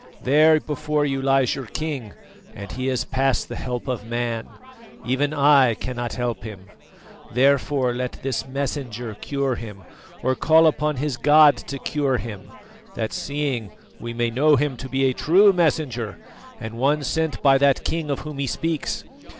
There before you lies your king, and he is past the help of man; even I cannot help him. Therefore, let this messenger cure him, or call upon his God to cure him; that seeing, we may know him to be a true messenger, and one sent by that King of whom he speaks.